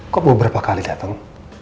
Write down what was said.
kok beberapa kali datang